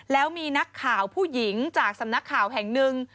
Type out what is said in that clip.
แล้วมีนักข่าวผู้หญิงจากสำนักข่าวแห่งหนึ่ง